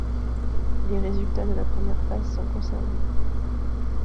Les résultats de la première phase sont conservés.